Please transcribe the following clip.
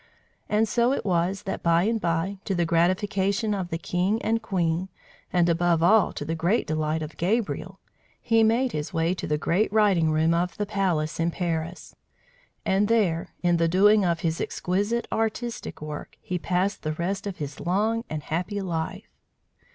And so it was that, by and by, to the gratification of the king and queen, and above all to the great delight of Gabriel, he made his way to the great writing room of the palace in Paris. And there, in the doing of his exquisite artistic work, he passed the rest of his long and happy life.